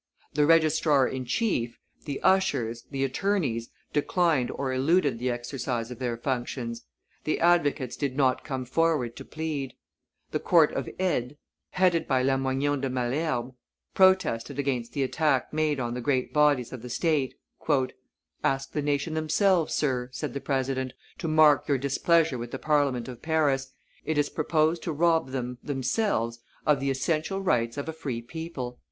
The registrar in chief, the ushers, the attorneys, declined or eluded the exercise of their functions; the advocates did not come forward to plead. The Court of Aids, headed by Lamoignon de Malesherbes, protested against the attack made on the great bodies of the state. "Ask the nation themselves, sir," said the president, "to mark your displeasure with the Parliament of Paris, it is proposed to rob them themselves of the essential rights of a free people."